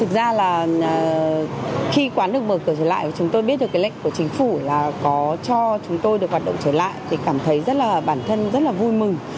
thực ra là khi quán được mở cửa trở lại và chúng tôi biết được cái lệnh của chính phủ là có cho chúng tôi được hoạt động trở lại thì cảm thấy rất là bản thân rất là vui mừng